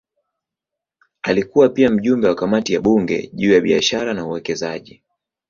Alikuwa pia mjumbe wa kamati ya bunge juu ya biashara na uwekezaji.